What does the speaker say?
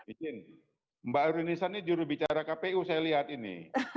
izin mbak arun nisa nih juru bicara kpu saya lihat ini